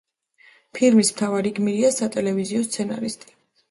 ფილმის მთავარი გმირია სატელევიზიო სცენარისტი.